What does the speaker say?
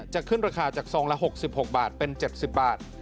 จะขึ้นราคาจากซองละ๖๖บาทเป็น๗๐บาท